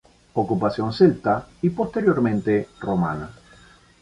Ocupación celta y posteriormente romana.